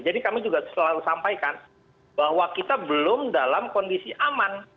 jadi kami juga selalu sampaikan bahwa kita belum dalam kondisi aman